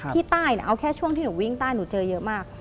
ที่ใต้เอาแค่ช่วงที่หนูวิ่งใต้หนูเจอเยอะมาก